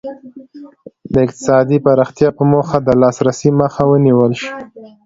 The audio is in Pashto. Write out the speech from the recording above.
د اقتصادي پراختیا په موخه د لاسرسي مخه ونیول شي.